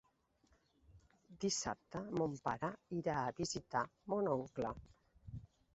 Dissabte mon pare irà a visitar mon oncle.